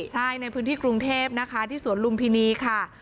ใช่ในพื้นที่กรุงเทพนะคะที่สวนลุมพินีค่ะ